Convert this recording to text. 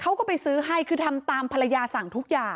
ชาวบ้านในพื้นที่บอกว่าปกติผู้ตายเขาก็อยู่กับสามีแล้วก็ลูกสองคนนะฮะ